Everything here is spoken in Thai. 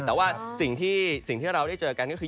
แต่ว่าสิ่งที่เราได้เจอกันก็คือ